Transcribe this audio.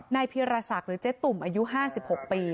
นายพิรสักฯหรือเจ๊ตุ่มอายุ๕๖ปี